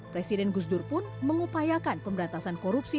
presiden gus dur pun mengupayakan pemberantasan korupsi